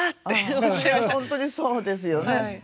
本当にそうですよね。